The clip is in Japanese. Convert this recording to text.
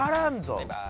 バイバーイ！